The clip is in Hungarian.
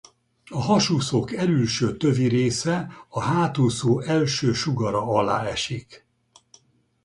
A hasúszók elülső tövi része a hátúszó első sugara alá esik.